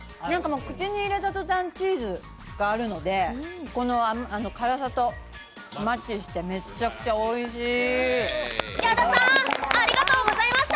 口に入れた途端、チーズがあるので、辛さとマッチしてめっちゃくちゃおいしい。